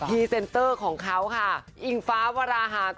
เซ็นเตอร์ของเขาค่ะอิงฟ้าวราหาร